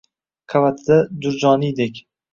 Qavatida Jurjoniydek